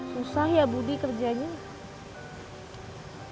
susah ya budi kerjanya